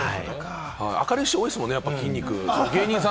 明るい人多いですもんね、筋肉がある人。